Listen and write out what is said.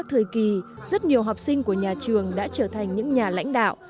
thì rất nhiều học sinh của nhà trường đã trở thành những nhà lãnh đạo